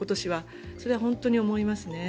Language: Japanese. それは本当に思います。